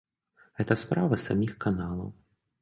Гэта справа саміх каналаў.